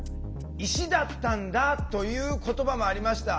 「石だったんだ」という言葉もありました。